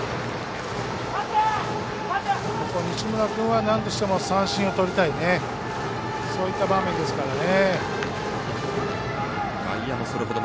西村君はなんとしても三振をとりたいそういった場面ですからね。